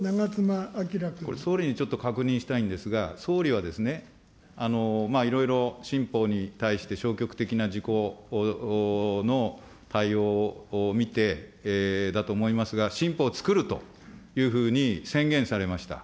これ、総理にちょっと確認したいんですが、総理はですね、いろいろ新法に対して消極的な自公の対応を見てだと思いますが、新法をつくるというふうに宣言されました。